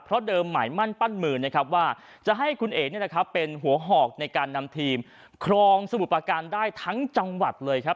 เพราะเดิมหมายมั่นปั้นมือนะครับว่าจะให้คุณเอกเป็นหัวหอกในการนำทีมครองสมุทรประการได้ทั้งจังหวัดเลยครับ